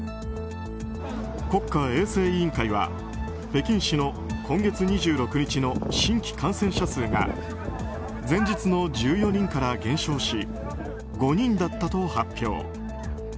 国家衛生委員会は北京市の今月２６日の新規感染者数が前日の１４人から減少し５人だったと発表。